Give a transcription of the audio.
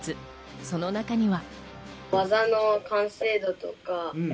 その中には。